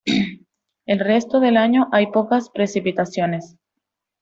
El resto del año hay pocas precipitaciones.